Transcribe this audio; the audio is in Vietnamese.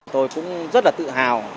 tôi cũng rất là tự hào